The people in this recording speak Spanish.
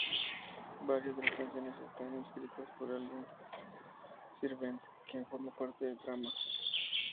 Varias de las canciones están escritas por Alex Sirvent, quien forma parte del trama.